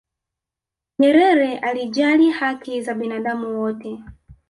nyerere alijali haki za binadamu wote